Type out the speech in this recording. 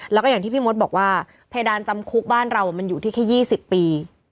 แล้วก็อย่างที่พี่มดบอกว่าเพดานจำคุกบ้านเรามันอยู่ที่แค่๒๐ปี